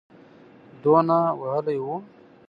دونه وهلی وو.